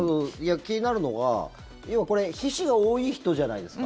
気になるのが、要はこれ皮脂が多い人じゃないですか。